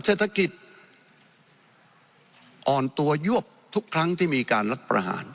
เศรษฐกิจอ่อนตัวยวบทุกครั้งที่มีการรัฐประหาร